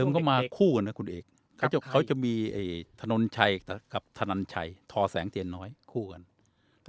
มันก็มาคู่กันนะคุณเอกเขาจะมีถนนชัยกับธนันชัยทอแสงเตียนน้อยคู่กัน